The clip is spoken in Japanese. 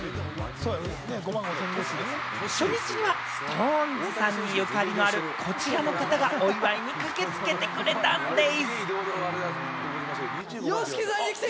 初日にはＳｉｘＴＯＮＥＳさんにゆかりのある、こちらの方が、お祝いに駆けつけてくれたんでぃす！